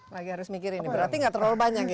lagi harus mikirin berarti nggak terlalu banyak gini